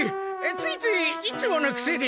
ついついいつものクセで。